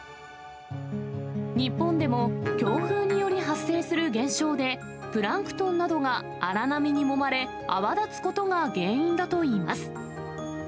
日本でも強風により発生する現象で、プランクトンなどが荒波にもまれ、泡立つことが原因だといいます。